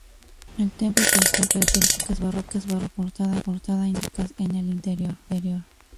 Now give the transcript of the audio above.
El templo posee características barrocas en la portada y neoclásicas en el interior.